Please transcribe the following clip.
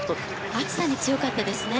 暑さに強かったですね。